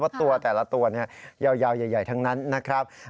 ตัวแต่ละตัวยาวใหญ่ทั้งนั้นนะครับ